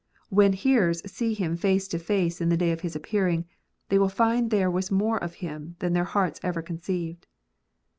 When hearers see Him face to face in the day of His appearing, they will find there was more in Him than their hearts ever conceived.